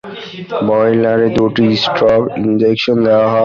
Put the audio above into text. বয়লারে দুটি স্ট্রব ইনজেকশন দেয়া হয়।